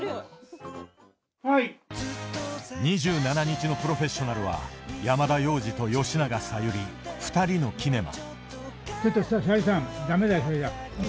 ２７日の「プロフェッショナル」は山田洋次と吉永小百合２人のキネマ。